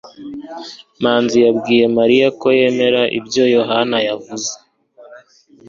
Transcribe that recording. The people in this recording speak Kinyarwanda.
Manzi yabwiye Mariya ko yemera ibyo Yohana yavuze.